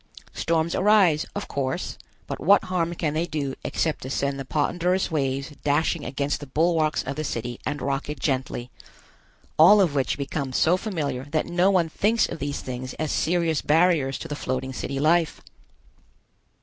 Storms arise, of course, but what harm can they do except to send the ponderous waves dashing against the bulwarks of the city and rock it gently, all of which becomes so familiar that no one thinks of these things as serious barriers to the floating city life.